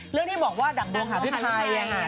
เรื่องนี้บอกว่าดังดวงหาพี่ไพยนะฮะ